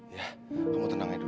ya kamu tenang aja dulu